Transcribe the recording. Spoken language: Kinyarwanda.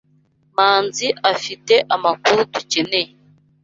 Manzi afite amakuru dukeneye.